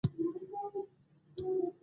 امریکایي کمپینو په لوی لاس ایډز خپور کړیدی.